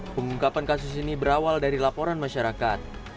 pengungkapan kasus ini berawal dari laporan masyarakat